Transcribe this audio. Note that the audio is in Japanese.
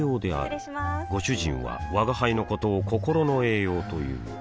失礼しまーすご主人は吾輩のことを心の栄養という